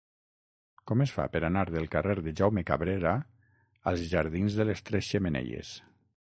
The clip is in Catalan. Com es fa per anar del carrer de Jaume Cabrera als jardins de les Tres Xemeneies?